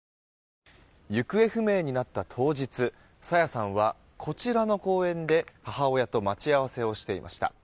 行方不明になった当日朝芽さんはこちらの公園で母親と待ち合わせをしていました。